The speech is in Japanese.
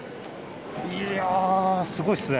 いやすごいっすね。